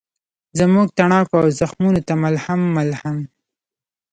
زموږ تڼاکو او زخمونوته ملهم، ملهم